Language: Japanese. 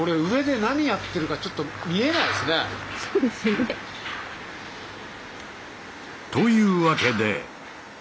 そうですよね。というわけで！